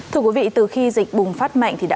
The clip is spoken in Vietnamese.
thưa quý vị từ khi dịch bùng phát mạnh